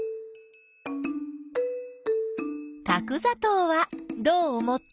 角ざとうはどう思った？